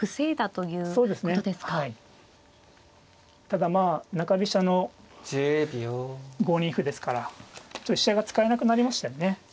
ただまあ中飛車の５二歩ですから飛車が使えなくなりましたよね。